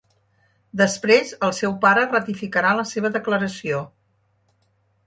Després el seu pare ratificarà la seva declaració.